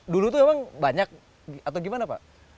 dulu itu memang banyak atau bagaimana pak